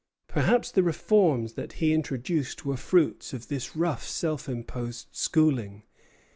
Perhaps the reforms that he introduced were fruits of this rough self imposed schooling.